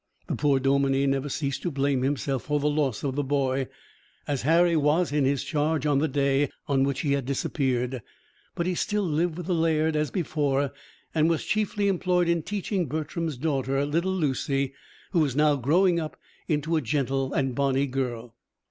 The poor dominie never ceased to blame himself for the loss of the boy, as Harry was in his charge on the day on which he had disappeared; but he still lived with the laird as before, and was chiefly employed in teaching Bertram's daughter, little Lucy, who was now growing up into a gentle and bonny girl.